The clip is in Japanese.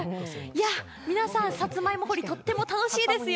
皆さん、さつまいも掘り、とっても楽しいですよ。